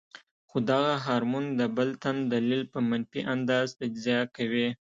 خو دغه هارمون د بل تن دليل پۀ منفي انداز تجزيه کوي -